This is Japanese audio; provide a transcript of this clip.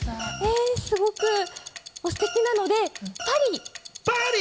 すごくすてきなのでパリ！